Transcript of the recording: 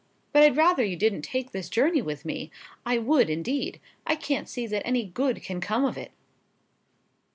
But I'd rather you didn't take this journey with me—I would, indeed. I can't see that any good can come of it."